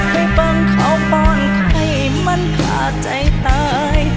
ให้เบิ่งเข้าปอนให้มันพาใจตาย